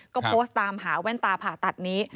ก็โพสต์ตามหาแว่นตาผ่าตัดนี้